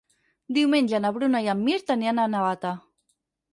Diumenge na Bruna i en Mirt aniran a Navata.